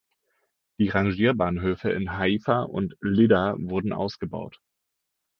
Die Rangierbahnhöfe in Haifa und Lydda wurden ausgebaut.